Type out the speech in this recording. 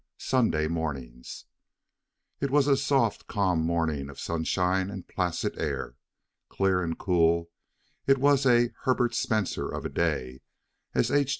SUNDAY MORNING It was a soft, calm morning of sunshine and placid air. Clear and cool, it was "a Herbert Spencer of a day," as H.